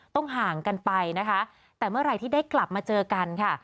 ห่างกันไปนะคะแต่เมื่อไหร่ที่ได้กลับมาเจอกันค่ะ